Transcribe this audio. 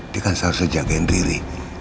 dia kan selalu jagain riri